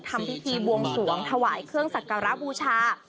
ทำพิธีบวงสวงถวายเครื่องสักการะบูชา